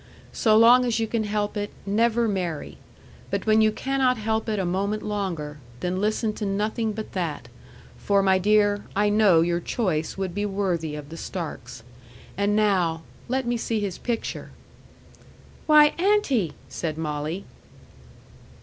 So long as you can help it, never marry! But when you cannot help it a moment longer, then listen to nothing but that; for, my dear, I know your choice would be worthy of the Starks. And now let me see his picture." "Why, aunty!" said Molly.